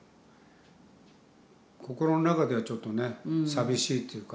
心の中ではちょっとね寂しいっていうか。